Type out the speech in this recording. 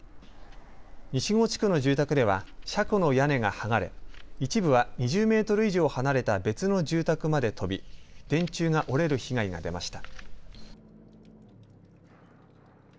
西郷地区の住宅では車庫の屋根が剥がれ一部は２０メートル以上離れた別の住宅まで飛び電柱が折れる被害が出ました。